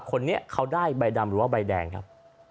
คนนี้เขาได้ใบดำหรือว่าใบแดงครับ